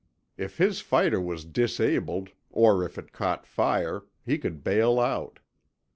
If his fighter was disabled, or if it caught fire, he could bail out.